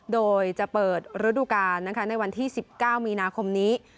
โดยจะเปิดฤดูกาลในวันที่๑๙มีนาคมนี้